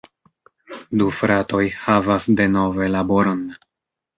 Du fratoj havas denove laboron.